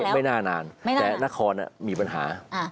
ไม่น่านานแต่นครมีปัญหา